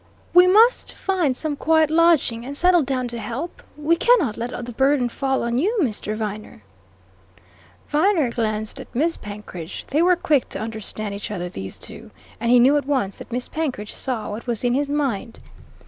We must find some quiet lodging, and settle down to help. We cannot let all the burden fall on you, Mr. Viner." Viner glanced at Miss Penkridge. They were quick to understand each other, these two, and he knew at once that Miss Penkridge saw what was in his mind.